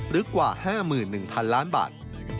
ลึกกว่าห้าหมื่นหนึ่งพันล้านบาท